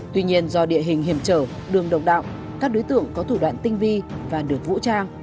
tuy nhiên do địa hình hiểm trở đường độc đạo các đối tượng có thủ đoạn tinh vi và được vũ trang